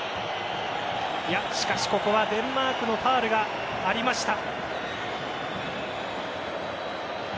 しかしここはデンマークのファウルがありました。